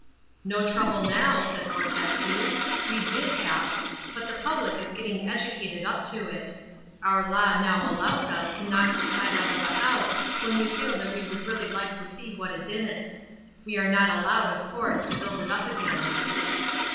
"No trouble now," said Fortescue. "We did have. But the public is getting educated up to it. Our law now allows us to knock the side out of a house when we feel that we would really like to see what is in it. We are not allowed, of course, to build it up again."